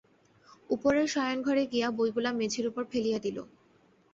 উপরের শয়নঘরে গিয়া বইগুলা মেজের উপর ফেলিয়া দিল।